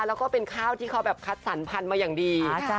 แล้วก็เป็นข้าวที่เขาแบบคัดสรรพันธุ์มาอย่างดี